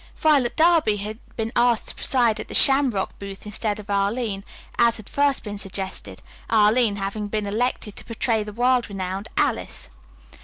] Violet Darby had been asked to preside at the Shamrock booth instead of Arline, as had first been suggested, Arline having been elected to portray the world renowned Alice.